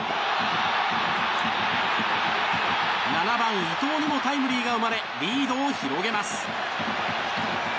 ７番、伊藤にもタイムリーが生まれリードを広げます。